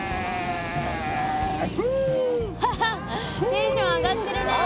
ハハテンション上がってるね。